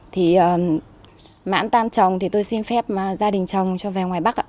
thì mãn tan chồng thì tôi xin phép gia đình chồng cho về ngoài bắc